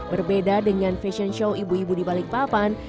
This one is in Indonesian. berbeda dengan fashion show ibu ibu di balikpapan